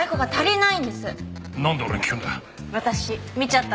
なんで俺に聞くんだよ？